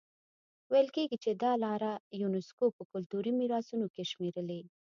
ویل کېږي چې دا لاره یونیسکو په کلتوري میراثونو کې شمېرلي.